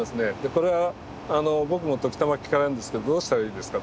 これは僕も時たま聞かれるんですけど「どうしたらいいですか？」